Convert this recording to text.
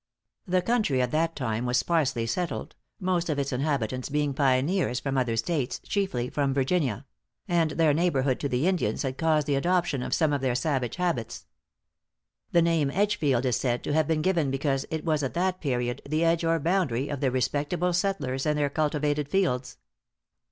The country at that time was sparsely settled, most of its inhabitants being pioneers from other States, chiefly from Virginia; and their neighborhood to the Indians had caused the adoption of some of their savage habits. The name Edgefield is said to have been given because it was at that period the edge or boundary of the respectable settlers and their cultivated fields.